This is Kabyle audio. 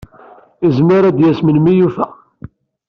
Yezmer ad d-yas melmi i yufa.